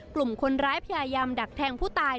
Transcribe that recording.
กลุ่มคนร้ายพยายามดักแทงผู้ตาย